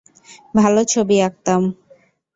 ভালো ছবি আঁকতাম।